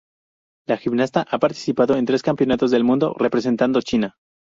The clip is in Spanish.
La gimnasta ha participado en tres campeonatos del Mundo representando China.